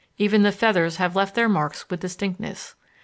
Even the feathers have left their marks with distinctness.